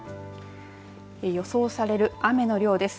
予想される雨の量です。